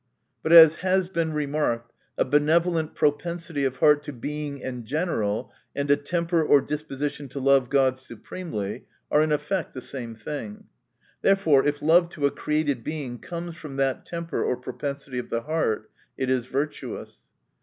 But, as • has been remarked, a benevolent propensity of heart to Being in general, and a temper or disposition to love God supremely, are in effect the same thing. Therefore, if love to a created Being comes from that temper or propensity of the heart, it is virtuous.